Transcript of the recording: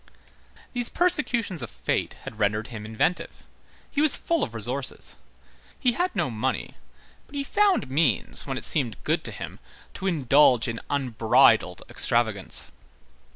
These persecutions of fate had rendered him inventive. He was full of resources. He had no money, but he found means, when it seemed good to him, to indulge in "unbridled extravagance."